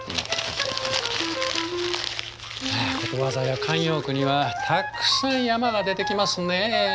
ことわざや慣用句にはたくさん「山」が出てきますね。